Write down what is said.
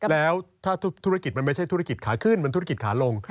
แล้วถ้าธุรกิจมันไม่ใช่ธุรกิจขาขึ้นมันธุรกิจขาลง